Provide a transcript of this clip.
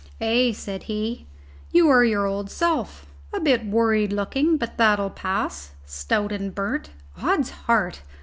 "Ay," said he, "you are your old self: a bit worried looking, but that'll pass. Stout and burnt. Odd's heart!